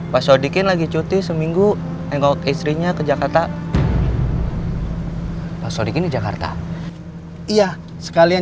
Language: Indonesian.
pak sodikin lagi cuti seminggu nengok istrinya ke jakarta pak sodikin di jakarta iya sekalian